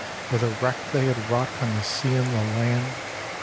For the wreck they had wrought on the sea and the land.